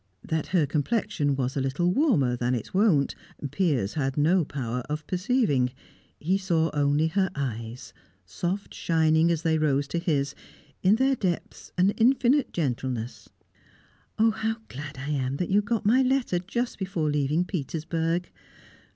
That her complexion was a little warmer than its wont, Piers had no power of perceiving; he saw only her eyes, soft shining as they rose to his, in their depths an infinite gentleness. "How glad I am that you got my letter just before leaving Petersburg!"